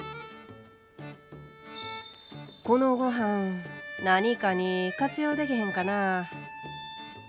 このごはん何かに活用でけへんかな。